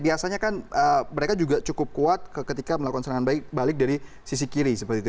biasanya kan mereka juga cukup kuat ketika melakukan serangan balik dari sisi kiri